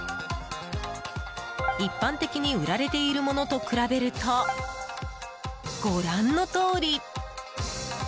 一般的に売られているものと比べると、ご覧のとおり。